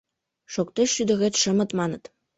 Шокте шӱдырет шымыт маныт